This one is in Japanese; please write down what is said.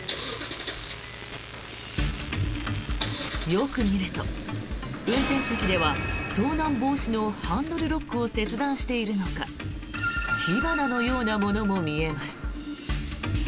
よく見ると、運転席では盗難防止のハンドルロックを切断しているのか火花のようなものも見えます。